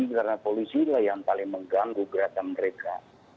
karena polisi adalah yang paling mengganggu gerakan mereka